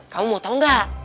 kamu mau tau gak